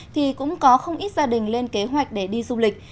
thì cũng có không ít gia đình lên kế hoạch để đi du lịch